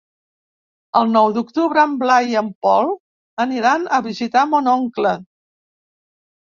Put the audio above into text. El nou d'octubre en Blai i en Pol aniran a visitar mon oncle.